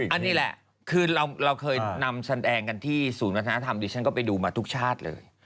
อันนี้แหละคือเราเคยนำแสดงกันที่ศูนย์วัฒนธรรมดิฉันก็ไปดูมาทุกชาติเลย